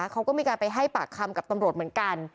เขาก็มีการไปให้ปากคำกับตำรวจเหมือนกัน